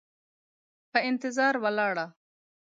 په انتظار ولاړه،